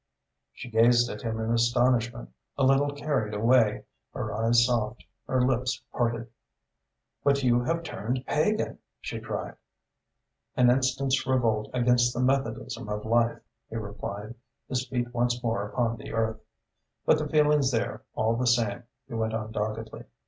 She gazed at him in astonishment, a little carried away, her eyes soft, her lips parted. "But you have turned pagan!" she cried. "An instant's revolt against the methodism of life," he replied, his feet once more upon the earth. "But the feeling's there, all the same," he went on doggedly.